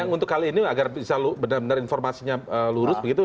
untuk kali ini agar bisa benar benar informasinya lurus begitu